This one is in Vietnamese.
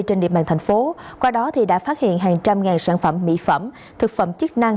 trên địa bàn thành phố qua đó thì đã phát hiện hàng trăm ngàn sản phẩm mỹ phẩm thực phẩm chức năng